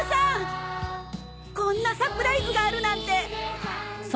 こんなサプライズがあるなんて！